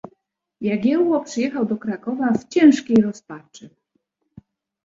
"Jagiełło przyjechał do Krakowa w ciężkiej rozpaczy."